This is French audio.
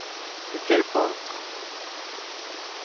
Mais quel peintre!